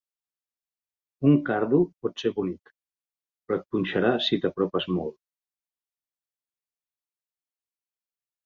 Un cardo pot ser bonic, però et punxarà si t'apropes molt.